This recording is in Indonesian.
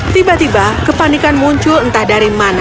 tiba tiba kepanikan muncul entah dari mana